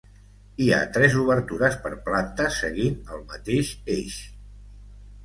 Hi ha tres obertures per planta seguint el mateix eix.